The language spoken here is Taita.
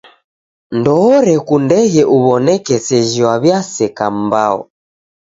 Ndoorekundeghe uw'oneke seji waw'iaseka mbao.